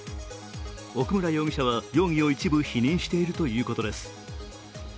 奥村容疑者は、容疑を一部否認しているということです。